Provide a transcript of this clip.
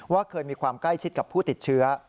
เคยมีความใกล้ชิดกับผู้ติดเชื้อ